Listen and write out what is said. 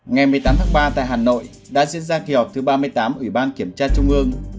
ngày một mươi tám tháng ba tại hà nội đã diễn ra kỳ họp thứ ba mươi tám ủy ban kiểm tra trung ương